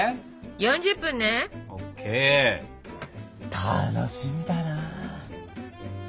楽しみだな！